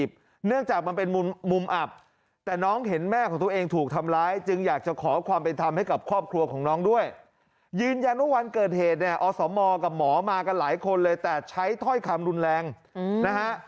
อสมกับหมอมากันหลายคนเลยแต่ใช้ถ้อยคำรุนแรงนะฮะ